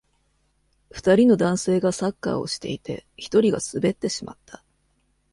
二人の男性がサッカーをしていて、一人が滑ってしまった。